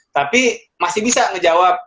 tapi masih bisa ngejawab